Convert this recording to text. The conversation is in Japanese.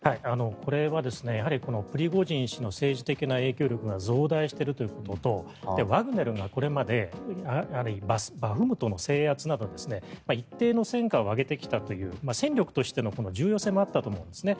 これはプリゴジン氏の政治的影響力が増大しているということとワグネルが、これまでバフムトの制圧など一定の戦果を上げてきたという戦力としての重要性もあったと思うんですね。